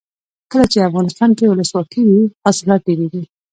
کله چې افغانستان کې ولسواکي وي حاصلات ډیریږي.